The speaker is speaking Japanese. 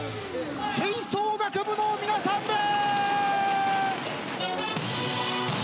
吹奏楽部の皆さんです！